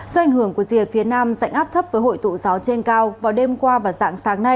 do ảnh hưởng của rìa phía nam dạnh áp thấp với hội tụ gió trên cao vào đêm qua và dạng sáng nay